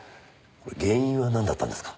原因はなんだったんですか？